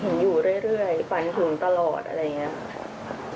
เห็นอยู่เรื่อยฝันสูงตลอดอะไรอย่างนี้